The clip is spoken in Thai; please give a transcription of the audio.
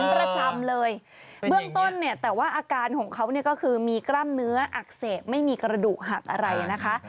ประจำเลยเบื้องต้นเนี่ยแต่ว่าอาการของเขาเนี่ยก็คือมีกล้ามเนื้ออักเสบไม่มีกระดูกหักอะไรนะคะ